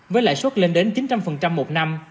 với lãi suất lên đến chín trăm linh một năm